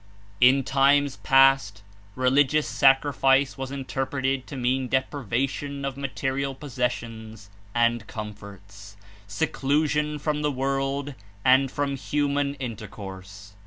In times past religious sacrifice was interpreted to mean deprivation of material possessions and com forts, seclusion from the world and from human in tercourse.